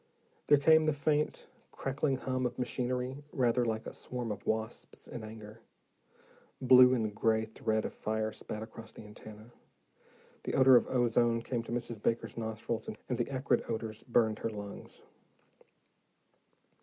There came the faint, crackling hum of machinery rather like a swarm of wasps in anger. Blue and gray thread of fire spat across the antenna. The odor of ozone came to Mrs. Baker's nostrils, and the acid odors burned her lungs.